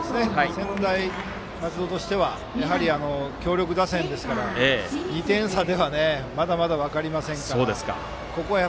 専大松戸としては強力打線ですから、２点差ではまだまだ分かりませんから。